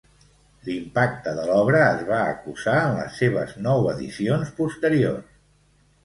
L'impacte de l'obra es va acusar en les seves nou edicions posteriors.